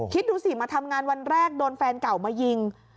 คิดดูสิมาทำงานวันแรกโดนแฟนเก่ามายิง